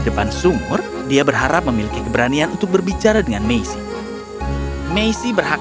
semua orang mulai meminta keinginan untuk membantu mereka tumbuh dan belajar